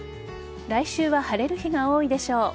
来週は晴れる日が多いでしょう。